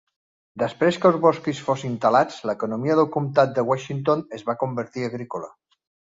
Després que els boscos fossin talats, l'economia del Comtat de Washington es va convertir agrícola.